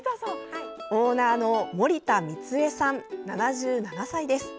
オーナーの森田光江さん７７歳です。